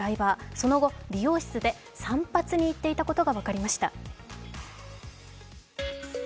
その後、理容室で散髪に行っていたことが分かりました。